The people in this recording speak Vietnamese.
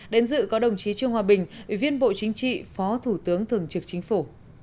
đến dự có đồng chí trương hòa bình ủy viên bộ chính trị phó thủ tướng thường trực chính phủ